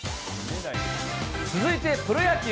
続いて、プロ野球。